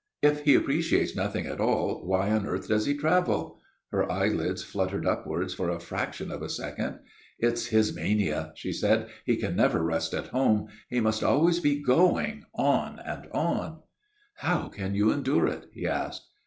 "If he appreciates nothing at all, why on earth does he travel?" Her eyelids fluttered upwards for a fraction of a second. "It's his mania," she said. "He can never rest at home. He must always be going on on." "How can you endure it?" he asked.